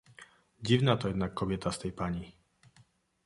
"Dziwna to jednak kobieta z tej pani!..."